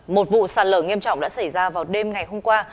một vụ sạt lở nghiêm trọng đã xảy ra vào đêm ngày hôm qua